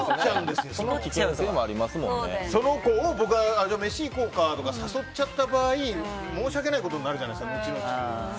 その子を飯行こうかとか誘っちゃった場合、申し訳ないことになるじゃないですか、後々。